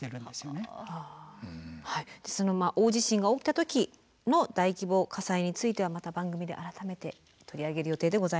大地震が起きた時の大規模火災についてはまた番組で改めて取り上げる予定でございます。